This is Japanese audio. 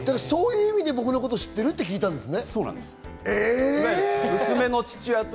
そういう意味で僕のこと知ってるって聞いたんですね？